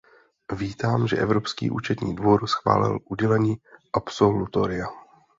Vítám, že Evropský účetní dvůr schválil udělení absolutoria.